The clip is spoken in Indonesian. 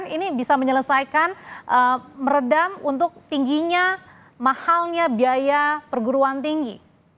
ini bisa menyelesaikan meredam untuk tingginya mahalnya biaya perguruan tinggi